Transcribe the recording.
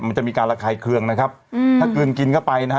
มันจะมีการระคายเคืองนะครับอืมถ้ากลืนกินเข้าไปนะฮะ